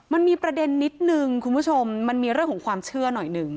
มันมีประเด็นนิดนึงคุณผู้ชมมันมีเรื่องของความเชื่อหน่อยหนึ่ง